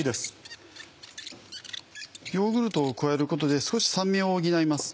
ヨーグルトを加えることで少し酸味を補います。